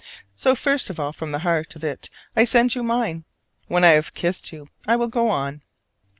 So first of all from the heart of it I send you mine: when I have kissed you I will go on.